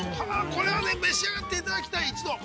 これはぜひ、召し上がっていただきたい、一度。